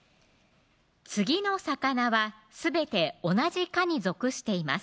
次の魚はすべて同じ科に属しています